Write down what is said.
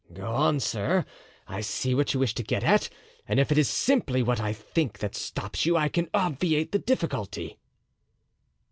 "Go on, sir, I see what you wish to get at; and if it is simply what I think that stops you, I can obviate the difficulty."